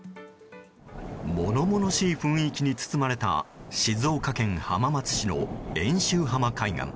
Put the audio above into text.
ものものしい雰囲気に包まれた静岡県浜松市の遠州浜海岸。